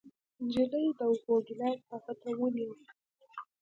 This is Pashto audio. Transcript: نجلۍ د اوبو ګېلاس هغه ته ونيو.